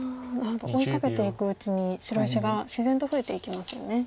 追いかけていくうちに白石が自然と増えていきますよね。